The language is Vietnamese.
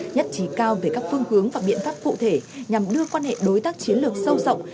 nhất trí cao về các phương hướng và biện pháp cụ thể nhằm đưa quan hệ đối tác chiến lược sâu rộng